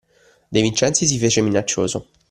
De Vincenzi si fece minaccioso.